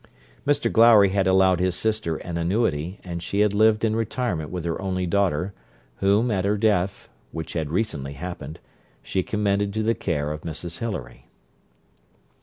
Mr Glowry had allowed his sister an annuity, and she had lived in retirement with her only daughter, whom, at her death, which had recently happened, she commended to the care of Mrs Hilary.